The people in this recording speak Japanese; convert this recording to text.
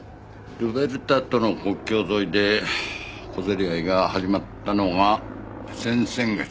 ルベルタとの国境沿いで小競り合いが始まったのが先々月。